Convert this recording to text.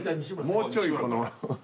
もうちょいこの。